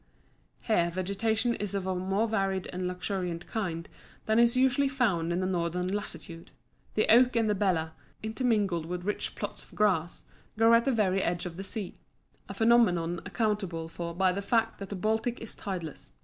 Here vegetation is of a more varied and luxuriant kind than is usually found in the Northern latitude; the oak and the bela, intermingled with rich plots of grass, grow at the very edge of the sea a phenomenon accountable for by the fact that the Baltic is tideless.